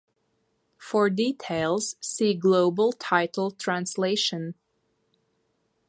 For details, see Global Title Translation.